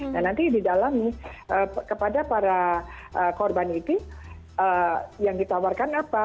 nah nanti didalami kepada para korban itu yang ditawarkan apa